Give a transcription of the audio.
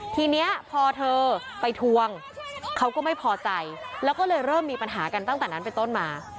ทีนี้พอเธอไปทวงเขาก็ไม่พอใจแล้วก็เลยเริ่มมีปัญหากันตั้งแต่นั้นเป็นต้นมา